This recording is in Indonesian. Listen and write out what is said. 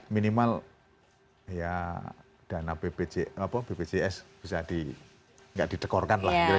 minimal dana bpjs bisa tidak didekorkan lah